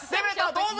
どうぞ。